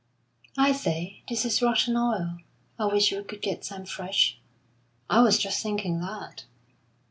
"I say, this is rotten oil. I wish we could get some fresh." "I was just thinking that."